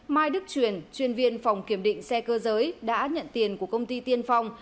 mai đức truyền chuyên viên phòng kiểm định xe cơ giới đã nhận tiền của công ty tiên phong